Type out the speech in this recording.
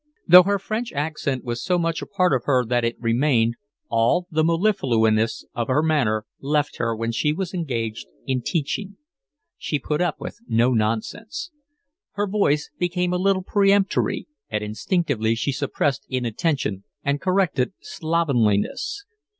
Though her French accent was so much part of her that it remained, all the mellifluousness of her manner left her when she was engaged in teaching. She put up with no nonsense. Her voice became a little peremptory, and instinctively she suppressed inattention and corrected slovenliness.